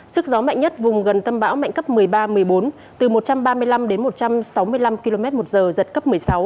sức gió mạnh nhất vùng gần tâm bão mạnh cấp một mươi ba một mươi bốn từ một trăm ba mươi năm đến một trăm sáu mươi năm km một giờ giật cấp một mươi sáu